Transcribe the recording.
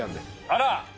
あら！